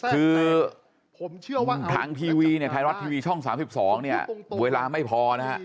คือทางทีวีเนี่ยไทยรัฐทีวีช่อง๓๒เนี่ยเวลาไม่พอนะฮะ